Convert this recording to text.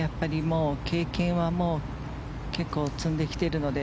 経験は、もう結構積んできているので。